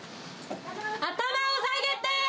頭を下げて！